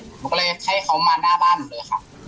หนูก็เลยให้เขามาหน้าบ้านหนูเลยค่ะ